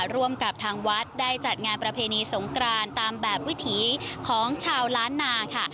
ร่วมกับทางวัดได้จัดงานประเพณีสงกรานตามแบบวิถีของชาวล้านนาค่ะ